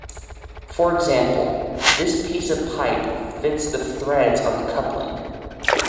For example, This piece of pipe fits the threads on the coupling.